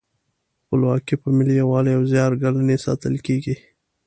خپلواکي په ملي یووالي او زیار ګالنې ساتل کیږي.